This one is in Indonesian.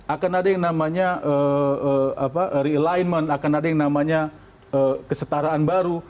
akan ada yang namanya realignment akan ada yang namanya kesetaraan baru